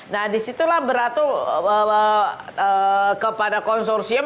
nah disitulah beratu kepada konsorsium